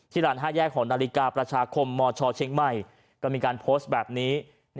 ร้าน๕แยกของนาฬิกาประชาคมมชเชียงใหม่ก็มีการโพสต์แบบนี้